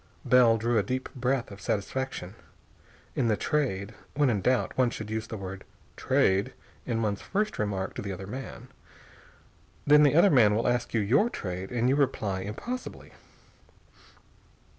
Bell drew a deep breath of satisfaction. In the Trade, when in doubt, one should use the word "Trade" in one's first remark to the other man. Then the other man will ask your trade, and you reply impossibly.